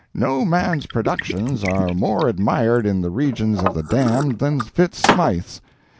No man's productions are more admired in the regions of the damned than Fitz Smythe's.